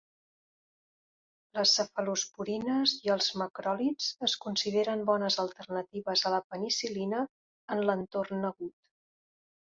Les cefalosporines i els macròlids es consideren bones alternatives a la penicil·lina en l'entorn agut.